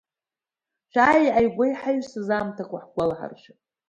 Шәааи ааигәа иҳаҩсыз аамҭақәа ҳгәалаҳаршәап.